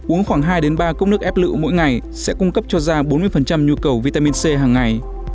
uống khoảng hai ba cốc nước ép lựu mỗi ngày sẽ cung cấp cho da bốn mươi nhu cầu vitamin c hằng ngày